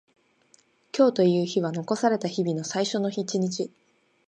今日という日は残された日々の最初の一日。